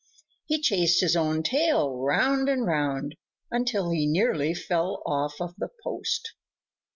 He chased his own tail round and round until he nearly fell off of the post.